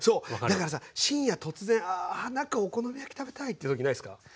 だからさ深夜突然あなんかお好み焼き食べたいって時ないっすか？